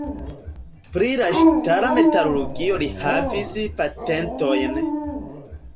Pri la ŝtala metalurgio li havis patentojn.